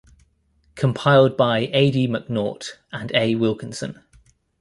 Compiled by A. D. McNaught and A. Wilkinson.